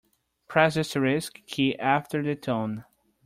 Press the asterisk key after the tone.